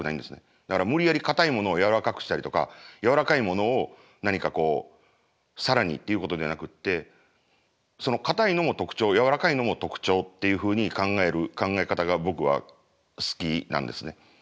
だから無理やりかたいものをやわらかくしたりとかやわらかいものを何かこう更にっていうことではなくってそのかたいのも特徴やわらかいのも特徴っていうふうに考える考え方が僕は好きなんですね。